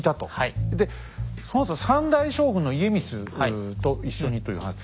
でそのあと３代将軍の家光と一緒にという話。